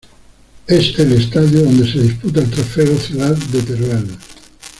Es el estadio donde se disputa el Trofeo Ciudad de Teruel.